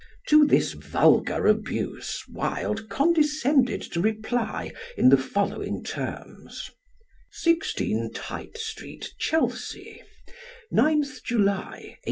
To this vulgar abuse Wilde condescended to reply in the following terms: 16, Tite Street, Chelsea, 9th July, 1890.